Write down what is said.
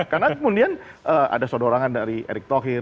karena kemudian ada sodorangan dari erik thohir